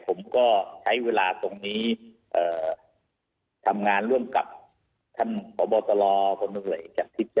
ผมก็ใช้เวลาตรงนี้ทำงานร่วมกับท่านบบอลตะลอท่านบเหลยท่านทิศจัยชินดาสนับงานภูมิชา